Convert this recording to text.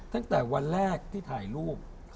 ตั้งแต่วันแรกที่ถ่ายรูป